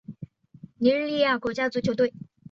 尼日利亚国家足球队